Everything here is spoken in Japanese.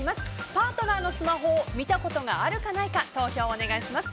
パートナーのスマホを見たことがあるかないか投票をお願いします。